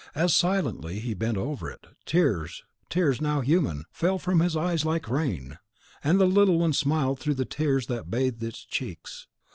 As silently he bent over it, tears tears, how human! fell from his eyes like rain! And the little one smiled through the tears that bathed its cheeks!